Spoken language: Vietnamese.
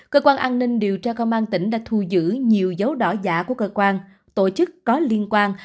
cơ quan an ninh điều tra công an tỉnh đã thu giữ nhiều dấu đỏ giả của cơ quan tổ chức có liên quan